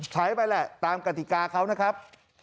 ใช้ไปแหละตามกติกาเขานะครับ